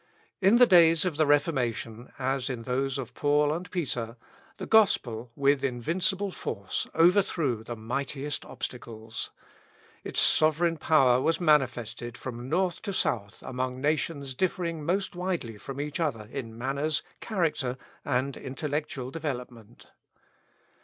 In the days of the Reformation, as in those of Paul and Peter, the Gospel, with invincible force, overthrew the mightiest obstacles. Its sovereign power was manifested from north to south among nations differing most widely from each other in manners, character, and intellectual development.